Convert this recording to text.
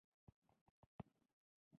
بشري ځواک یې ناکاره و.